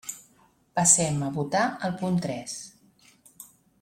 Passem a votar el punt tres.